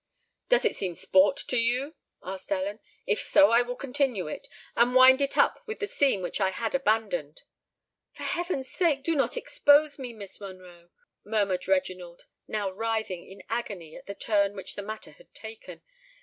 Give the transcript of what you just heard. "Does it seem sport to you?" asked Ellen: "if so, I will continue it, and wind it up with the scene which I had abandoned." "For heaven's sake, do not expose me, Miss Monroe!" murmured Reginald, now writhing in agony at the turn which the matter had taken.